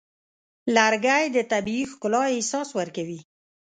لرګی د طبیعي ښکلا احساس ورکوي.